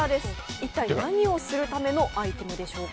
一体何をするためのアイテムでしょうか。